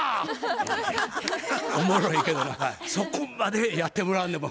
おもろいけどそこまでやってもらわんでも。